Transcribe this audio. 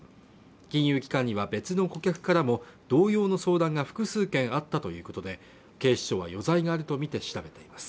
金融機関には別の顧客からも同様の相談が複数件あったということで警視庁は余罪があるとみて調べています